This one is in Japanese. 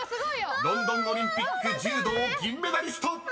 ［ロンドンオリンピック柔道銀メダリスト］